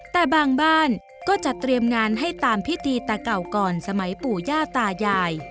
แต่บางบ้านก็จะเตรียมงานให้ตามพิธีตาเก่าก่อนสมัยปู่ย่าตายาย